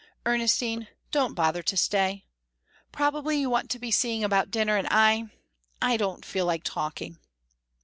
"Ernestine, don't bother to stay. Probably you want to be seeing about dinner, and I I don't feel like talking."